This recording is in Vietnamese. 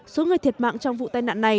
số người thiệt mạng trong vụ tai nạn này